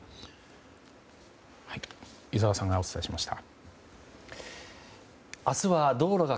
井澤さんがお伝えしました。